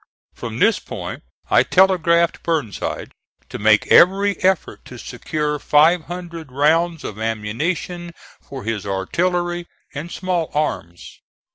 From this point I telegraphed Burnside to make every effort to secure five hundred rounds of ammunition for his artillery and small arms.